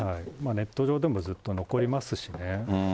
ネット上でもずっと残りますしね。